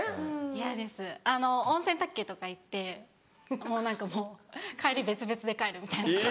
嫌です温泉卓球とか行ってもう何かもう帰り別々で帰るみたいな。